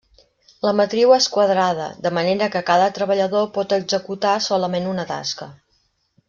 La matriu és quadrada de manera que cada treballador pot executar solament una tasca.